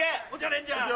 レンジャー！